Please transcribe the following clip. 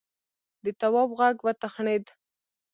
د تواب غوږ وتخڼيد: